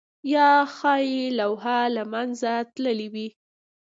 یا ښايي لوحه له منځه تللې وي؟